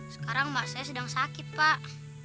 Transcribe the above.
sekarang mbak saya sedang sakit pak